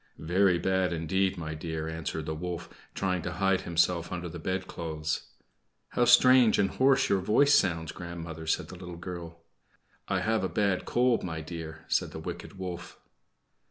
"Very bad indeed, my dear," answered the wolf, trying to hide himself under the bedclothes. "How strange and hoarse your voice sounds, grandmother," said the little girl. "I have got a bad cold, my dear," said the wicked wolf.